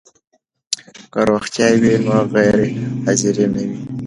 که روغتیا وي نو غیر حاضري نه وي.